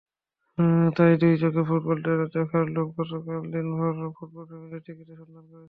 তাই দুই চোখে ফুটবল-দ্বৈরথ দেখার লোভে গতকাল দিনভর ফুটবলপ্রেমীরা টিকিটের সন্ধান করেছেন।